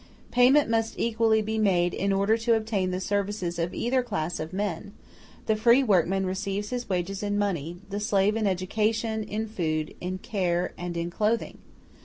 Payment must equally be made in order to obtain the services of either class of men: the free workman receives his wages in money, the slave in education, in food, in care, and in clothing.